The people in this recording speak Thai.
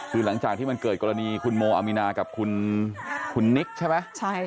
คือหลังจากที่มันเกิดกรณีคุณโมอามีนากับคุณนิกใช่ไหม